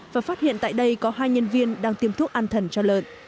và phát hiện tại đây có hai nhân viên đang tiêm thuốc an thần cho lợn